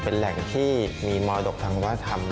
เป็นแหล่งที่มีมรดกทางวัฒนธรรม